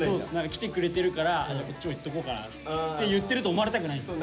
きてくれてるからこっちも言っとこうかなって言ってると思われたくないんです。